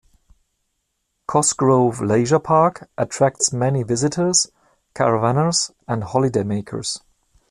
Cosgrove Leisure Park attracts many visitors, caravanners and holiday-makers.